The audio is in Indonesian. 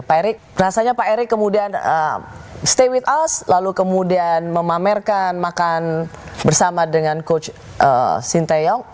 pak erik rasanya pak erick kemudian stay withouse lalu kemudian memamerkan makan bersama dengan coach sinteyong